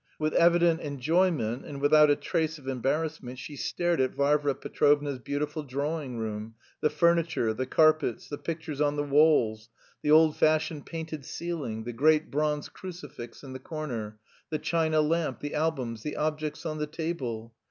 With evident enjoyment and without a trace of embarrassment she stared at Varvara Petrovna's beautiful drawing room the furniture, the carpets, the pictures on the walls, the old fashioned painted ceiling, the great bronze crucifix in the corner, the china lamp, the albums, the objects on the table.